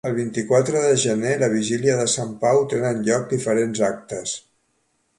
El vint-i-quatre de gener, la vigília de Sant Pau, tenen lloc diferents actes.